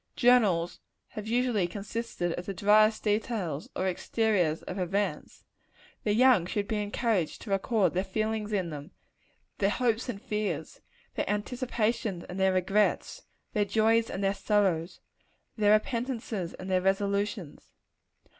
Journals have usually consisted of the driest details, or exteriors of events. The young should be encouraged to record their feelings in them; their hopes and fears their anticipations and their regrets their joys and their sorrows their repentances and their resolutions.